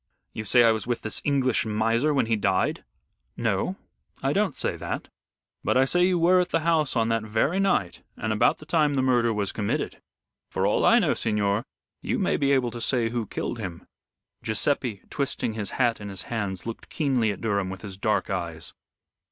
You say I was with this English miser when he died?" "No, I don't say that. But I say you were at the house on that very night, and about the time the murder was committed. For all I know, signor, you may be able to say who killed him." Guiseppe, twisting his hat in his hands, looked keenly at Durham with his dark eyes.